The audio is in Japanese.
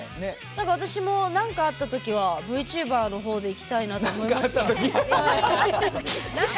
私も、なんかあったときはＶＴｕｂｅｒのほうでいきたいなって思いました。